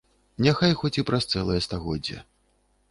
Няхай хоць і праз цэлае стагоддзе.